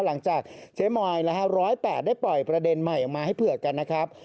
หลังจากเจ๊มอย๑๐๘ได้ปล่อยประเด็นใหม่ออกมาให้เผื่อกันนะครับ